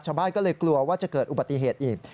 ชาวบ้านก็เลยกลัวว่าจะเกิดอุบัติเหตุอีก